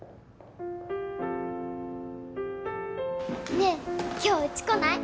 ねえ今日うち来ない？